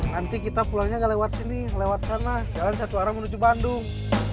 nanti kita pulangnya nggak lewat sini lewat sana jalan satu arah menuju bandung